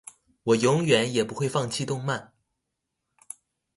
我永遠也不會放棄動漫